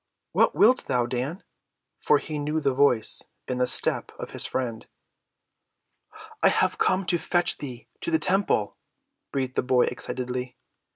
What wilt thou, Dan?" For he knew the voice and the step of his friend. "I have come to fetch thee to the temple," breathed the boy excitedly.